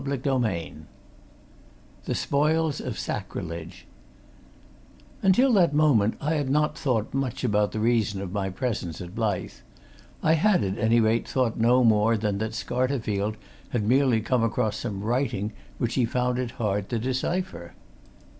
CHAPTER XIII THE SPOILS OF SACRILEGE Until that moment I had not thought much about the reason of my presence at Blyth I had, at any rate, thought no more than that Scarterfield had merely come across some writing which he found it hard to decipher.